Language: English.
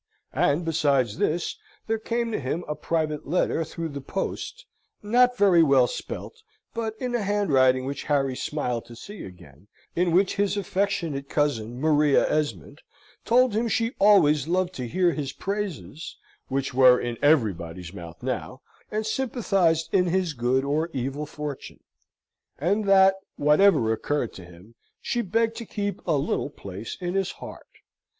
And besides this, there came to him a private letter through the post not very well spelt, but in a handwriting which Harry smiled to see again, in which his affeetionate cousin, Maria Esmond, told him she always loved to hear his praises (which were in everybody's mouth now), and sympathised in his good or evil fortune; and that, whatever occurred to him, she begged to keep a little place in his heart.